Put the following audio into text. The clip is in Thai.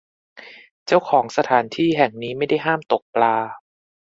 เจ้าของสถานที่แห่งนี้ไม่ได้ห้ามตกปลา